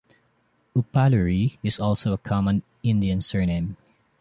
Uppaluri is also a common Indian surname.